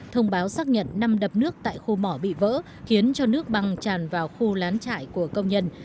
thông báo xác nhận năm đập nước tại khu mỏ bị vỡ khiến cho nước băng tràn vào khu lán trại của công nhân